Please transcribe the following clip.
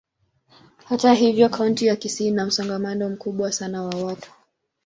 Hata hivyo, kaunti ya Kisii ina msongamano mkubwa sana wa watu.